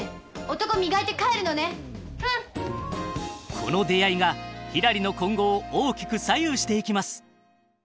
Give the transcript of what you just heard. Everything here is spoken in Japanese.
この出会いがひらりの今後を大きく左右していきます。